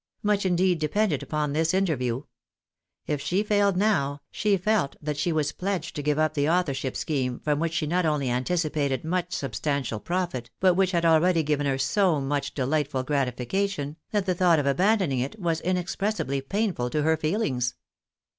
Much indeed depended upon this interview. If she failed now, she felt that she was pledged to give up the authorship scheme, from which she not only anticipated much substantial profit, but which had already given her so much delightful gratifi cation, that the thought of abandoning it was inexpressibly painful to her feelings.